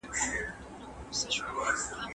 خیراتونه انسان له مصیبتونو ژغوري.